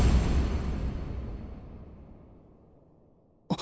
あ。